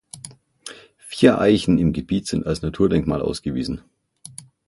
Vier Eichen im Gebiet sind als Naturdenkmal ausgewiesen.